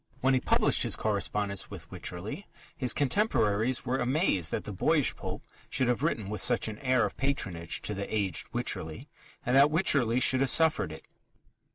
When he published his correspondence with Wycherley, his contemporaries were amazed that the boyish Pope should have written with such an air of patronage to the aged Wycherley and that Wycherley should have suffered it.